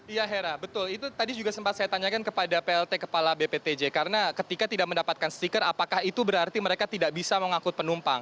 iya hera betul itu tadi juga sempat saya tanyakan kepada plt kepala bptj karena ketika tidak mendapatkan stiker apakah itu berarti mereka tidak bisa mengangkut penumpang